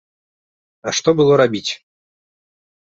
А што было рабіць?